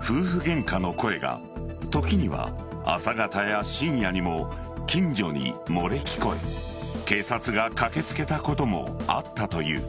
夫婦ゲンカの声が時には朝方や深夜にも近所に漏れ聞こえ警察が駆けつけたこともあったという。